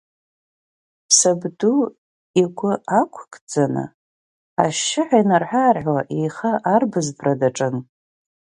Сабду игәы ақәкӡаны, ашьшьыҳәа инарҳә-аарҳәуа иеиха арбызтәра даҿын.